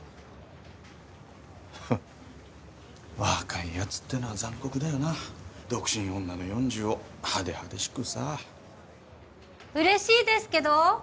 フッ若いやつってのは残酷だよな独身女の４０を派手派手しくさ嬉しいですけど？